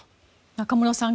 中室さん